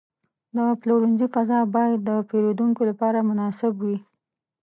د پلورنځي فضا باید د پیرودونکو لپاره مناسب وي.